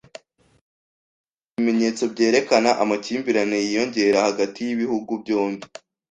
Hariho ibimenyetso byerekana amakimbirane yiyongera hagati y’ibihugu byombi.